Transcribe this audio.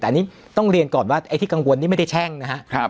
แต่อันนี้ต้องเรียนก่อนว่าไอ้ที่กังวลนี่ไม่ได้แช่งนะครับ